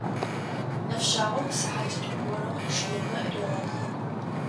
Нэфшъагъом сыхьатитӏу горэм чъыемэ регъэкъу.